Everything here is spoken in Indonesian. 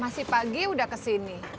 masih pagi udah kesini